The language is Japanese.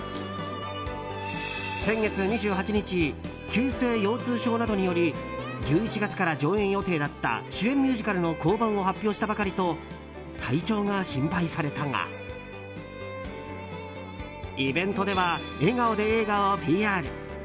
先月２８日急性腰痛症などにより１１月から上演予定だった主演ミュージカルの降板を発表したばかりと体調が心配されたがイベントでは笑顔で映画をＰＲ。